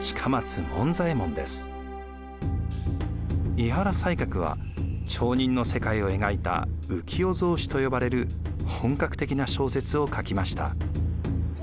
井原西鶴は町人の世界を描いた「浮世草子」と呼ばれる本格的な小説を書きました。